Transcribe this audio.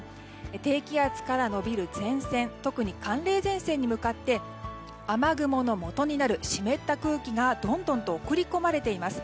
低気圧から延びる前線特に寒冷前線に向かって雨雲のもとになる湿った空気がどんどんと送り込まれています。